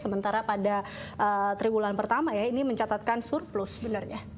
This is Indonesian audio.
sementara pada triwulan pertama ya ini mencatatkan surplus sebenarnya